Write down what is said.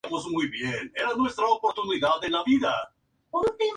Se encuentra en los neotrópicos, África, Madagascar e Islas Mascareñas.